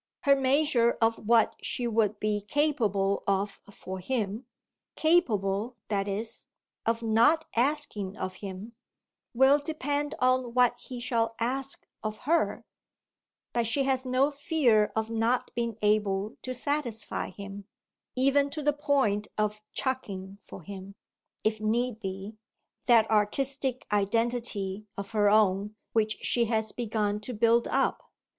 Her measure of what she would be capable of for him capable, that is, of not asking of him will depend on what he shall ask of her, but she has no fear of not being able to satisfy him, even to the point of "chucking" for him, if need be, that artistic identity of her own which she has begun to build up.